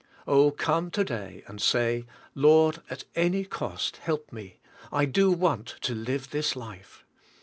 Oh, come to day, and say, "Lord, at any cost help me; I do want to live this life."